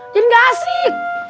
dan gak asik